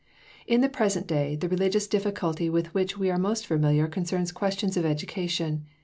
In the present day, the religious difficulty with which we are most familiar concerns questions of education.